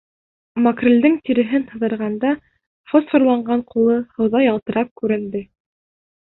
Макрелдең тиреһен һыҙырғанда фосфорланған ҡулы һыуҙа ялтырап күренде.